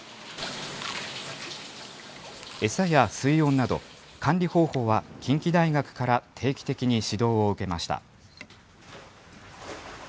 餌や水温など、管理方法は近畿大学から定期的に指導を受けました。